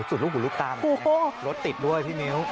สูตรลูกลูกตารถติดด้วยที่นิ้ว